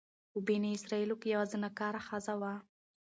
په بني اسرائيلو کي يوه زناکاره ښځه وه،